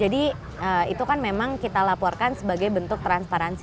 jadi itu kan memang kita laporkan sebagai bentuk transparansi